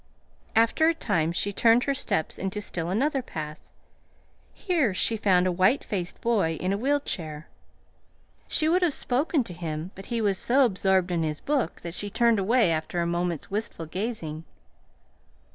After a time she turned her steps into still another path. Here she found a white faced boy in a wheel chair. She would have spoken to him, but he was so absorbed in his book that she turned away after a moment's wistful gazing.